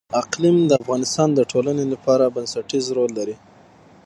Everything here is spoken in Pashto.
اقلیم د افغانستان د ټولنې لپاره بنسټيز رول لري.